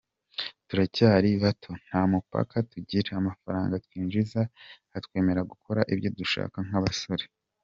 Turacyari bato, nta mupaka tugira, amafaranga twinjiza atwemerera gukora ibyo dushaka nk’abasore.